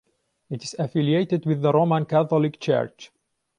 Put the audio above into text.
It is affiliated with the Roman Catholic Church.